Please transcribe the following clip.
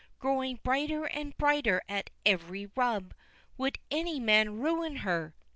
Growing brighter and brighter at every rub Would any man ruin her?